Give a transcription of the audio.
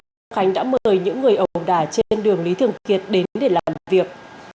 công an tp long khánh đã mời những người ẩu đả trên đường lý thường kiệt đến để làm việc